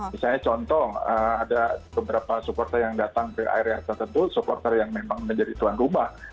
misalnya contoh ada beberapa supporter yang datang ke area tertentu supporter yang memang menjadi tuan rumah